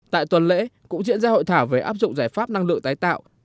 tại tuần lễ cũng diễn ra hội thảo về áp dụng giải pháp năng lượng tái tạo